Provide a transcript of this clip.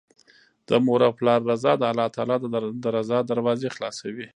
د مور او پلار رضا د الله تعالی د رضا دروازې خلاصوي